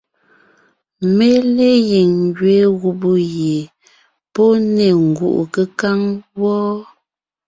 Mé le gíŋ ngẅeen gubé gie pɔ́ ne ngúʼu kékáŋ wɔ́.